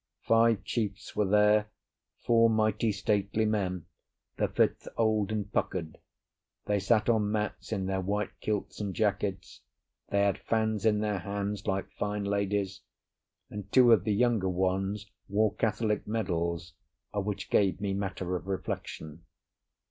Five chiefs were there; four mighty stately men, the fifth old and puckered. They sat on mats in their white kilts and jackets; they had fans in their hands, like fine ladies; and two of the younger ones wore Catholic medals, which gave me matter of reflection.